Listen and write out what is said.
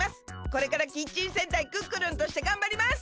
これからキッチン戦隊クックルンとしてがんばります！